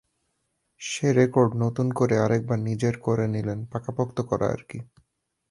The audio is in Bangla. সে রেকর্ড নতুন করে আরেকবার নিজের করে নিলেন, পাকাপোক্ত করা আরকি।